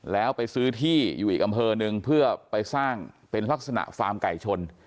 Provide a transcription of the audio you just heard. แล้วไปซื้อที่อยู่อีกอำเภอหนึ่งเพื่อไปสร้างเป็นลักษณะฟาร์มไก่ชน